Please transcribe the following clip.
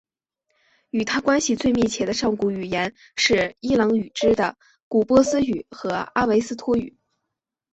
与它关系最密切的上古语言是伊朗语支的古波斯语和阿维斯陀语。